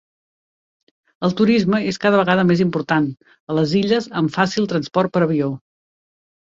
El turisme és cada vegada més important, a les illes amb fàcil transport per avió.